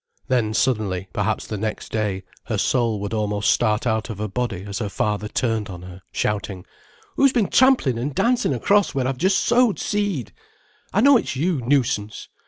Then suddenly, perhaps the next day, her soul would almost start out of her body as her father turned on her, shouting: "Who's been tramplin' an' dancin' across where I've just sowed seed? I know it's you, nuisance!